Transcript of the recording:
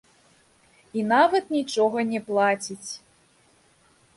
І нават нічога не плаціць.